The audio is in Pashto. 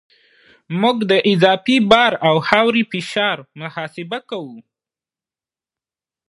موږ د اضافي بار او خاورې فشار محاسبه کوو